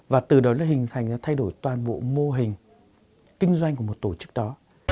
và từ đó nó hình thành thay đổi toàn bộ mô hình kinh doanh của một tổ chức đó